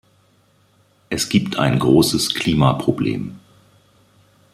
Es gibt ein großes Klimaproblem.